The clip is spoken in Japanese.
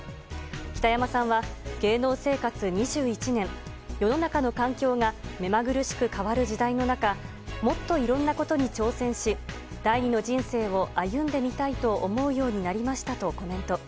北山さんは、芸能生活２１年世の中の環境が目まぐるしく変わる時代の中もっと、いろんなことに挑戦し第２の人生を歩んでみたいと思うようになりましたとコメント。